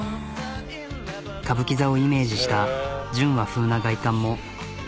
歌舞伎座をイメージした純和風な外観も。